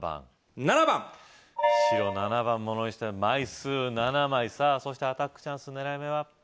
７番白７番ものにして枚数７枚さぁそしてアタックチャンス狙い目は？